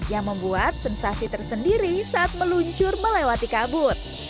yang membuat sensasi tersendiri saat meluncur melewati kabut